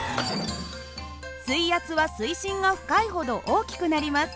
水圧は水深が深いほど大きくなります。